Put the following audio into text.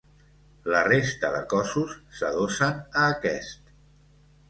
La resta de cossos s'adossen a aquest.